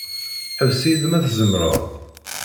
Ḥbes-iyi-d ma tzemreḍ.